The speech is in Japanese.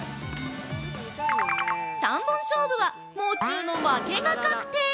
三本勝負は、もう中の負けが確定。